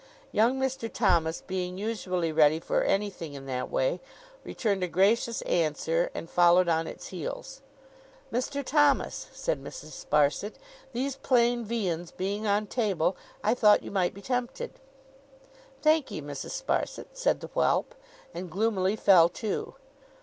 Young Mr. Thomas being usually ready for anything in that way, returned a gracious answer, and followed on its heels. 'Mr. Thomas,' said Mrs. Sparsit, 'these plain viands being on table, I thought you might be tempted.' 'Thank'ee, Mrs. Sparsit,' said the whelp. And gloomily fell to.